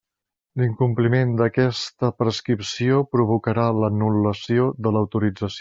L'incompliment d'aquesta prescripció provocarà l'anul·lació de l'autorització.